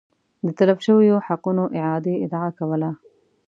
د تلف شویو حقونو اعادې ادعا کوله